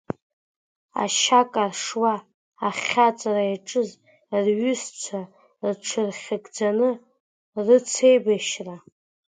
Ашьа каршуа ахьаҵра иаҿыз рҩызцәа рҽырхьыгӡаны рыцеибашьра…